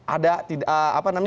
ada tidak apa namanya